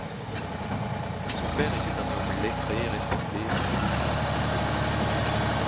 Son père était un homme lettré et respecté et possédait une grande bibliothèque.